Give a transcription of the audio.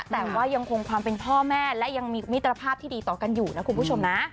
แต่ว่ายังคงความเป็นพ่อแม่และยังมีมิตรภาพที่ดีต่อกันอยู่นะคุณผู้ชมนะ